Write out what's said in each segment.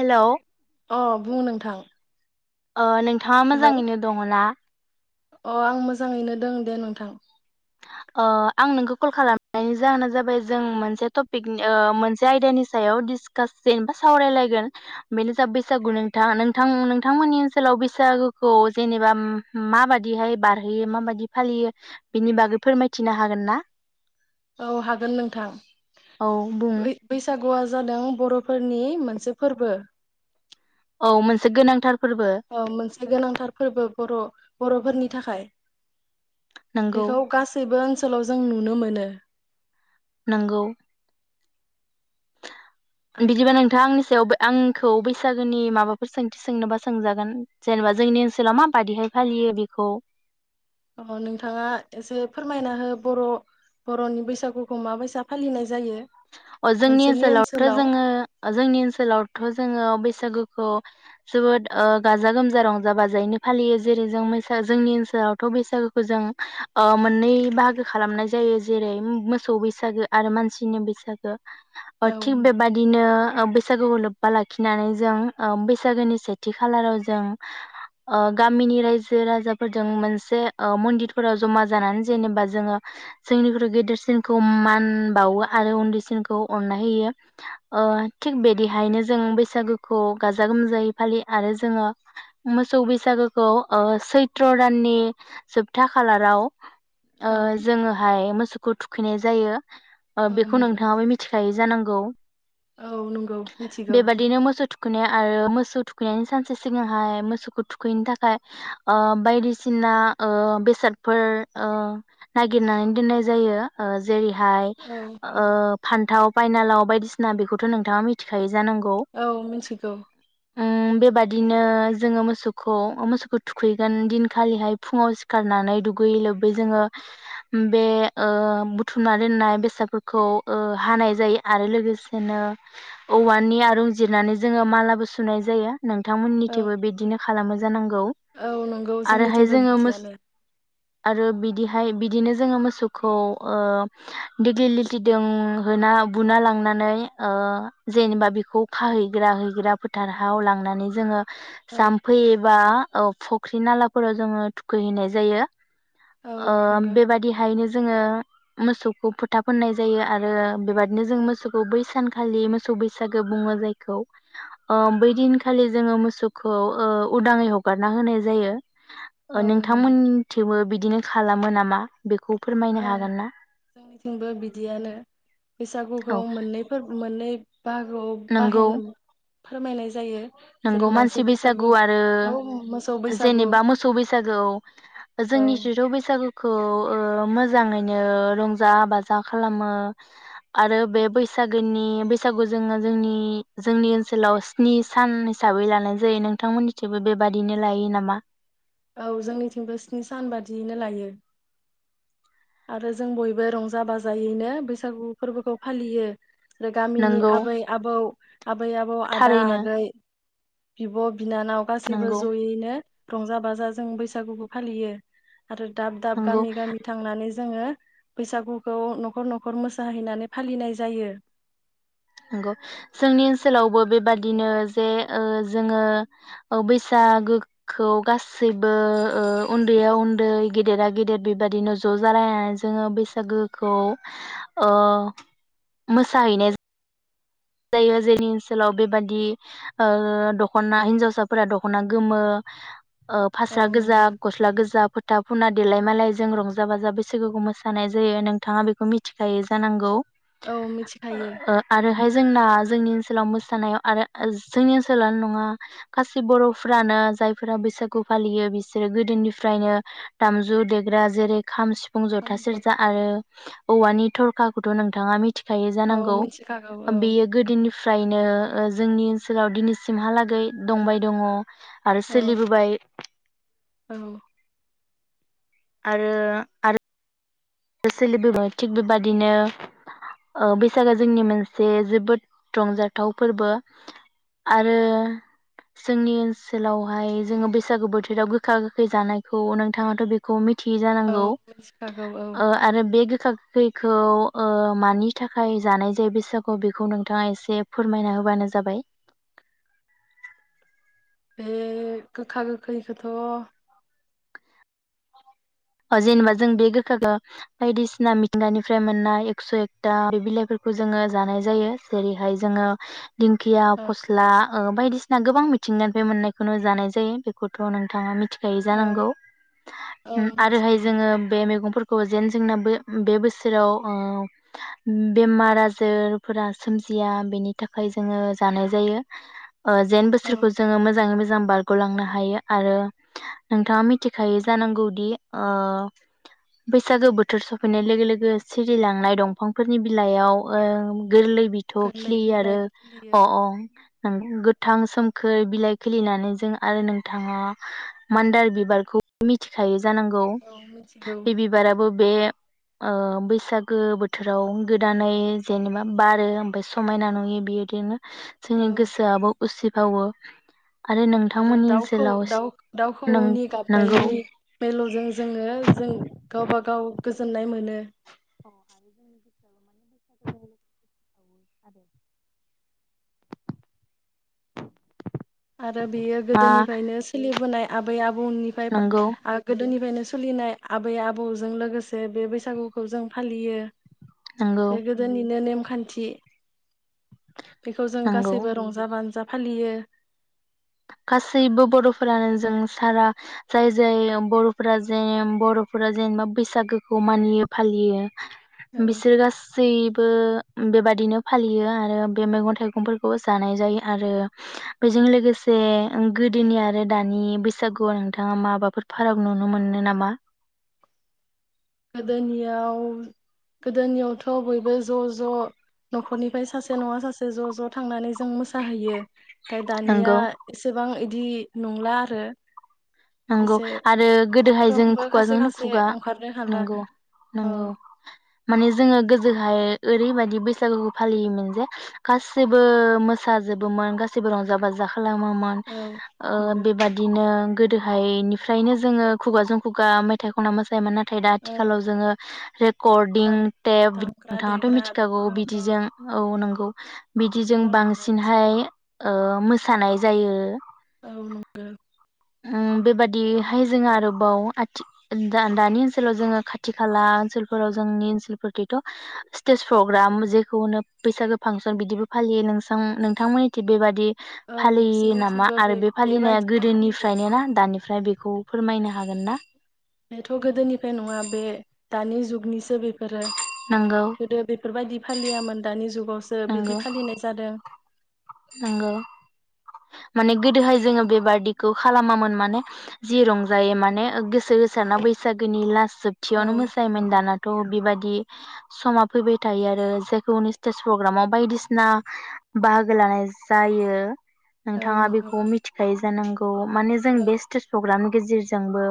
हेल'। अ बुङो नोंथां। अ नों नोंथाङा हेलौ मोजाङैनो दङना? अ आं मोजाङैनो दं दे नोंथां। आं नोंखौ कल खालामनायनि जाहोना जाबाय जों मोनसे टपिक मोनसे आयदानि सायाव डिसकास जेनेबा सावरायलायगोन बेनो जाबाय बैसागु नोंथां नोंथां नोंथांमोननि ओनसोलाव बैसागुखौ जेनेबा माबादिहाय बारहोयो माबायदि फालियो बेनि बागै फोरमायथिनो हागोनना? औ हागोन नोंथां औ बुं बै बैसाग गुआ जादों बर'फोरनि मोनसे फोरबो। औ मोनसे गोनांथार फोरबो औ मोनसे गोनांथार फोरबो। बर' बर'फोरनि थाखाय नंगौ बेखौ गासैबो ओनसोलाव जों नु नु मोनो। नोंगौ बिदिबा नोंथाङा आंनि सायावबो आंखौ बैसागोनि माबाफोर सोंथि सोंनोबा सोंजागोन जेनेबा जोंनि ओनसोलाव माबादिहाय फालियो बेखौ। अ नोंथाङा एसे फोरमायना हो बर' बर'नि बैसागुखौ माबायसा फालिनाय जायो। अ जोंनि नोंसोरनि ओनसोलावथ' ओनसोलाव जोङो जोंनि ओनसोलावथ' जोङो बैस सागुखौ जोबोद ओ गाजा गोमजा रंजा बाजायैनो फालियो जेरै जों मोसा जोंनि ओनसोलावथ' बैसागोखौ जों ओ मोननै बाहागो खालामनाय जायो जेरै मोसौ बैसागो आरो मानसिनि बैसाग ओ औ थिग बेबादिनो ओ बैसागुखौ लोब्बा लाखिनानै जों ओ बैसागोनि सेथि खालाराव जों ओ गामिनि रायजो राजाफोरजों मोनसे ओ मन्दिरफोराव जमा जानानै जेनेबा जोङो जोंनिख्रुइ गेदेरसिनखौ मान बावो आरो उन्दै सिनखौ अननाय होयो ओ थिग बेदिहायनो जों बैसागोखौ गाजा गोमजायै फालियो आरो जोङो मोसौ बैसागोखौ ओ सैथ्र' दाननि जोबथा खालाराव ओ औ जोङोहाय मोसौ खौ थुखैनाय जायो। ओ औ बेखौ नंगौ नों मिथिखायो जानांगौ। औ नंगौ मिथिगौ बेबादिनो मोसौ थुखैनाय आरो मोस मोसौ थुखैनायनि सानसे सिगांहाय मोसौखौ थुखैनो थाखाय ओ बायदिसिना ओ बेसादफोर ओ नागिरनानै दोननाय जायो ओ जेरैहाय औ ओ थाव फाइनालाव बायदिसिना बेखौथ' नोंथाङा मिथिखायो जानांगौ औ मिथिगौ उम बेबाय दिनो जोङो मोसौखौ मोसौखौ थुखैगोन दिनखालिहाय फुङाव सिखारनानै दुगैयै लोबै जोङो बे ओ बुथुमना दोननाय बेसादफोरखौ ओ हानाय जायो आरो लोगोसेनो औवानि आरुं जिरनानै जोङो मालाबो सुनाय जायो। नोंथांमोननि औ थिबो बिदिनो खालामो जानां गौ औ नंगौ आरोहाय जोंनिथिंबो जोङो मोस बिदियानो आरो बिदि हाय बिदिनो जोङो मोसौखौ ओ दिगिलिलिथि दों होना बुना लांनानै ओ जेनेबा बिखौ खाहैग्रा हैग्रा फोथारहाव लांनानै जोङो औ जाम्फै एबा औ फुख्रि नालाफोराव जोङो थुखैहैनाय जायो। औ ओ नंगौ बेबादिहायनो जोङो मोसौखौ फोथा फोननाय जायो जायो आरो बेबादिनो जों मोसौखौ बै सानखालि मोसौ बैसागो बुङो जायखौ बै दिनखालि जोङो मोसौखौ उदाङै हगारना होनाय जायो औ नंगौ नोंथांमोनथिबो बिदिनो खालामो नामा बेखौ फोरमायनो औ हागोन ना जोंनिथिंबो बिदियानो औ बैसागुखौ मोननै मोननै बाहागोआव बाहेन फोरमायनाय जायो जेरै नोंगौ मानसि बैसागु आरो बैसागुखौ मोसौ बैसागु जेनेबा मोसौ बैसागु औ जोंनि जिज बैसागु खौ मोजाङैनो रंजा बाजा खालामो आरो बे बैसागोनि बैसागु जोङो जों जोंनि ओनसोलाव स्नि सान हिसाबै लानाय जायो नोंथांमोननिथिबो बेबादिनो लायो नामा औ जोंनिथिंबो स्नि सान बादियैनो लायो आरो जों बयबो रंजा बाजायैनो बैसागु फोरबोखौ फालियो आरो गामिनि नंगौ आबै-आबौ आबै-आबौ, थारैनो आदा-आगै बिब' बिनानाव गासैबो नंगौ जयैनो रंजा-बाजा जों बैसागुखौ फालियो आरो दाब-दाब, नंगौ गामि-गामि थांनानै जोङो बैसागुखौ न'खर न'खर मोसाहैनानै फालिनाय जायो नंगौ जोंनि ओनसोलावबो बेबादिनो जे जोङो बैसागोखौ गासैबो उन्दैया उन्दै गेदेरा गेदेर बेबाददिनो ज' जालायनानै जोङो बैसागोखौ ओ मोसाहैनाय जायो जायो जोंनि ओनसोलाव बेबादि दख'ना हिन्जावसाफोरा दख'ना गोमो औ फास्रा गोजा नंगौ गस्ला गोजा फ दा फुना देलाय-मालाय, जों रंजा-बाजा बैसागुखौ मोसानाय जायो नोंथाङा बेखौ मिथिखायो जानांगौ औ मिथिखायो आरोहाय दाजोंनि ओनसोलाव मोसानायाव आरो जोंनि ओनसोलानो नङा गासै बर'फ्रानो जायफोरा बैसागु फालियो बिसोरो गोदोनिफ्रायनो दामजु देग्रा जेरै खाम सि फुं जथा सेरजा आरो औवानि थरखाखौथ' नोंथाङा मि औ मिथिखागौ औ गोदोनिफ्रायनो जोंनि ओनसोलाव दिनैसिमहालागै दंबाय दङ आरो औ सोलिबोबाय औ आरो आरो सोलिबोबाय थिग बेबादिनो ओ बैसागो जोंनि मोनसे जोबोद रंजाथाव फोरबो। आरो जोंनि ओनसोलावहाय जोङो बैसागु बोथोराव गोखा गोखै जानायखौ नोंथाङाथ' बेखौ औ मिथिखागौ औ आरो बे गोखा [unintelligible] मानि थाखाय जानाय जायो बैसागु बेखौ नोंथाङा एसे फोरमायना होबानो जाबाय बे गोखा गोखैखौथ' जेनेबा जों बे गोखाखौ बायदिसिना मिथिंगानिफ्राय मोननाय एकस' एकथा बिलाइफोरखौ जोङो जानाय जायो जेरैहाय जोङो दिंखिया फस्ला बायदिसिना गोबां मिथिंगानिफ्राय मोननायखौनो जानाय जायो बेखौथ' नोंथाङा मिथि जायो औ जानांगौ औ उम आरोहाय मिथिगौ जोङो बे मैगं जोंना बे बोसोराव बेमार आजारफोरा सोमजिया बेनि थाखाय जोङो जानाय जायो। जेन औ बोसोरखौ जोङो मोजाङै मोजां मोजां बारग'लांनो हायो आरो नोंथाङा मिथिखायो जानांगौदि ओ बैसागो बोथोर सफैनाय लोगो लोगो सिरिलांनाय दंफांफोरनि बिलाइयाव ओ गोरलै बिथौ गोरलै खिलियो आरो बिलाइ खिलियो अ अ [unintelligible] गोथां सोमखोर बिलाइ खोलिनानै जों आरो नों थाङा मान्दार बिबारखौ मिथिखायो जानांगौ औ बे बिबाराबो बे ओ बैसागो बोथोराव गोदानै जेनेबा बारो ओमफ्राय समायना नुयो बेबायदिनो जोंनि औ गोसोआबो उसिफावो आरो आरो नोंथांमोननि दउखौ ओनसोलाव दाउ नों दाउखौनि नंगौ गाबनायनि मेलौजों जोङो जों गाव बा गाव गोजोननाय मोनो [inaudible] आरो बियो मा गोदोनिफ्रायनो सोलिबोनाय आबै आ बौनिफ्राय नंगौ आं गोदोनिफ्रायनो सोलिनाय आबै आबौजों लोगोसे बे बैसागुखौ जों फालियो। नंगौ बे गोदोनिनो नेम खान्थि बेखौ जों नंगौ गासैबो रंजा बाजा फालियो। गासैबो बर'फोरानो जों सारा जाय जाय बर'फोरा जेन बर'फोरा जेनेबा बैसागोखौ मानियो फालियो। बिसोर गाासै बेबादिनो फालियो आरो बे मैगं थाइगंफोरखौबो जानाय जायो आरो बेजों लोगोसे जे गोदोनि आरो दानि बैसागुआव नोंथाङा माबाफोर फाराग नुनो मोनो नामा? गोदोनियाव गोदोनियावथ' बयबो ज' ज' न'खरनिफ्राय सासे नङा सासे ज' ज' थांनानै जों मोसाहैयो। नंगौ दानिया एसेबां बिदि नंला आरो। नंगौ एसे आरो गोदोहाय जों फ्रोमबो खायसे खुगाजोंनो खायसे खुगा ओंखारनो हाला नंगौ औ नंगौ माने जोङो गोजो ओाय ओरैबायाददि बैसागुखौ फालियोमोन जे गाैबो मोसाजोबोमोन गाैबो रंजा बाजा खा खालामोमोन औ नंगौ बेबादिनो गोदोहायनिफ्रायनो जोङो खुगाजों खुगा मेथाइ खनना मोसायो मानोन नाथाय दा औ आथिखालाव जोङो बे करडिं दाम टेप दामग्रा नोंथाङाथ' देग्रा मिथिखागौ बेफोरखौ बिदिजों औ नोंगौ। [inaudible] बिदिजों औ लानानैसो बांसिनहाय मोसानाय जायो। औ नंगौ। बेबादिहाय जोङो आरोबाव आथि दानि ओनसोलाव जोङो खाथि खाला ओनसोलफोराव जोंनि ओनसोलफोरथिथ' स्टेज प्रग्राम जेखौनो बैसागो फांसन बिदिबो फालियो नोंस नोंथांमोननिथि बेबादि औ फालियो नामा जोंनिथिंबो बे आरो फालिनाया बेबायदिनो फालियो। गोदोनिफ्रायनो दानिफ्राय बेखौ फोरमायनो हागोन ना? बेथ' गोदोनिफ्राय नङा बे दानि जुगनिसो बे बेफोरो नंगौ गोदो बेफोरबायदि फालियामोन दानि जुगावसो नंगौ बिदि फालिनाय जादों। नंगौ माने गोदोहाय जोङो बेबदििखौ खालामामोन माने जि रंजायो माने गोसो गोसारना बैसागोनि लास औ जोबथियावनो मोसायोमोन नंगौ दानाथ' बेबादि समा फैबाय थायो आरो जायखौनि स्टेज प्रग्रामाव बायदिसिना बा लोगो लानाय जायो। औ नोंथाङा नंगौ बेखौ मिथिखायो जानांगौ माने जों औ बे स्टेज प्रग्राम गेजेरजोंबो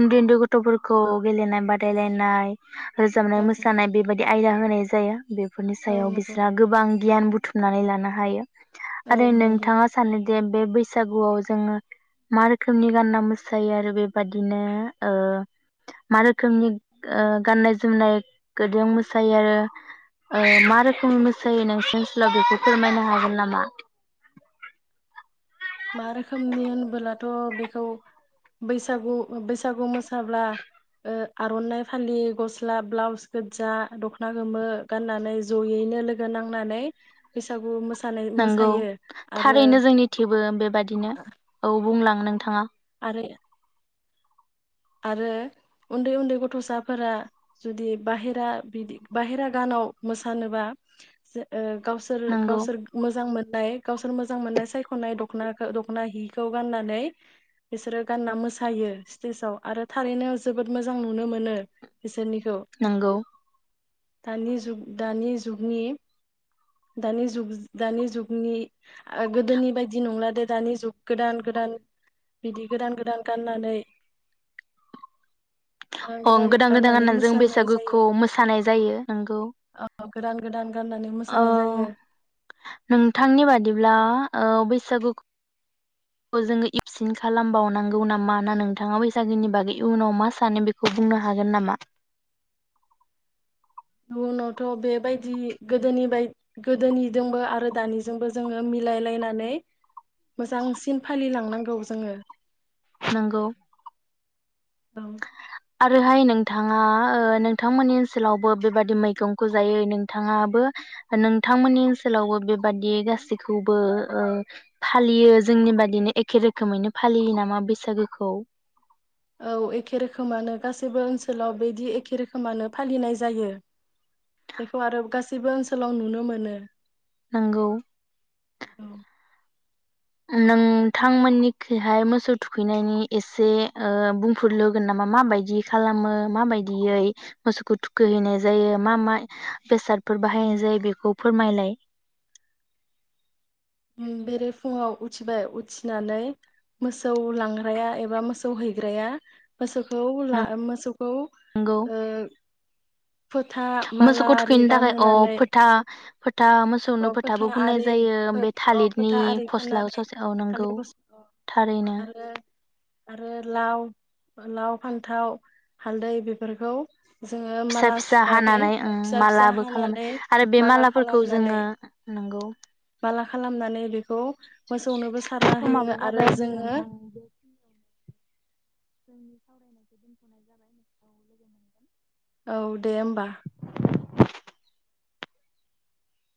उन्दै उन्दै गथ'फोरखौ गेलेनाय बादायलायनाय रोजाबनाय औ मोसानाय बेबायदि आयदा होनाय जाया बे बेफोरनि औ सायाव नंगौ बिस्राहा गोबां गियान बुथुमनानै लानो हायो। [inaudible] औ आरो नंगौ नोंथाङा सानो जे बे बैसागुआव जोङो मा रोखोमनि गानना मोसायो आरो बेबादिनो ओ मा रोखोमनि ओ गाननाय जोमनायखौ जों मोसायो आरो ओ मा रोखोमनि मोसायो नोंसोर ओसोलाव बेखौ फोरमायनो हागोन नामा? मा रोखोमनि होनबोलाथ' बेखौ बैसागु बैसागु मोसाब्ला ओ आर'नाइ फालि गस्ला ब्लाउस गोजा दख'ना गोमो गाननानै जयैनो लोगो नांनानै बैसागु मोस नंगौ थारैनो जोंनि थेवबो बेबायाददिनो औ। बुंलां नोंथाङा। [unintelligible] आरो उन्दै उन्दै गथ'साफोरा जुदि बाहेरा बिदि बाहेरा गानाव मोसानोबा जो ओ गावसोर नंगौ गावसोर मोजां मोन नाय गावसोर मोजां मोननाय सायख'नाय दख'नाखो दख'ना हिखौ गाननानै बिसोरो गानना मोसायो स्टेजाव। आरो थारैनो जोबोद मोजां नुनो मोनो बिसोरनि नंगौ। दानि जुग दानि जुगनि दानि जुग दानि जुगनि आ गोदोनि बायदि नंला दे दानि जुग गोदान गोदान बिदि गोदान गोदान गाननानै गोदान अं गोदान गोदान गाननानै जों मोसानो जायो बैसागुखौ मोसानाय जायो नंगौ। ओ गोदान गोदान। गाननानै मोसानाय जायो ओं नोंथांनि बादिब्ला ओ बैसागु खौ जोङो एबसिन खालामबावनांगौ नामा ना नोंथाङा बैसागुनि बागै इयुनाव मा सानो बेखौ बुंनो हागोन नामा? उनावथ' बेबायदि गोदोनि बाय गोदोनिदोंबो आरो दानिजोंबो जोङो मिलायलायनानै मोजांसिन फालिलांनांगौ जोङो। नोंगौ। औ। आरोहाय नोंथाङा ओ नोंथांमोननि ओनसोलावबो बेबादि मैगंखौ जायो नोंथाङाबो नोंथांमोननि ओनसोलावबो बेबादि गासैखौबो ओ फालियो जोंनि बादिनो एखे रोखोमैनो फालियो नामा बैसागोखौ? औ एखे रोखोमानो गासैबो ओनसोलाव बिदि एखे रोखोमानो फालिनाय जायो बेखौ आरो गासैबो ओनसोलाव नुनो मोनो। नोंगौ। औ। नोंथांमोननिखिहाय मोसौ थुखैनायनि एसे ओ बुंफोरलोगोन नामा माबायदि खालामो माबायदियै मोसौखौ थुखैहैनाय जायो मा मा बेसादफोर बाहायनाय जायो बेखौ फोरमायलाय। ओम बेरे फुङाव उथिबाय उथिनानै मोसौ लांग्राया एबा मोसौ हैग्राया मोसौखौ ला मोसौखौ नंगौ ओ फोथा माला मोसौखौ आरि थुखैनो थाखाय अ गानहोनानै फोथा फोथा मोसौनो अ फोथा फोथाबो फुननाय आरि जायो फो ओमफाय अ थालिदनि फोथा आरि फस्ला फोननानै ससेयाव नंगौ थालिर फस्ला थारैनो। आरो आरो लाव लाव फान्थाव हालदै बेफोरखौ जोङो फिसा माला फिसा सुनानै हानानै ओं फिसा फिसा मालाबो खालामो हानानै आरो बे माला मालाफोरखौ खालामनानै जोङो नोंगौ। माला खालामनानै बेखौ खौ मोसौनोबो सारना समाबो होयो आरो जाबाय जोङो नोंथां बेखिनियावनो [inaudible] औ दे होमबा।